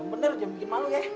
yang bener jangan bikin malu ya